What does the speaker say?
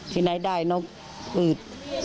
ที่ไหนได้นกอืด